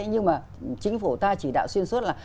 nhưng mà chính phủ ta chỉ đạo xuyên suốt là